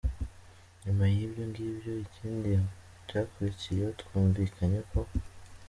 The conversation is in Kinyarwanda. nyuma yibyo ngibyo ikindi cyakurikiye twumvikanye ko.